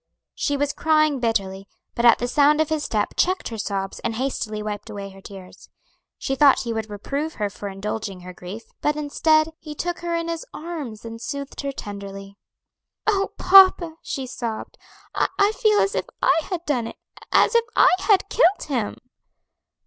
She was crying bitterly, but at the sound of his step checked her sobs, and hastily wiped away her tears. She thought he would reprove her for indulging her grief, but instead he took her in his arms and soothed her tenderly. "Oh, papa," she sobbed, "I feel as if I had done it as if I had killed him."